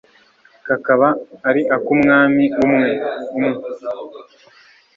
kakaba ari ak'umwami umwe, umwe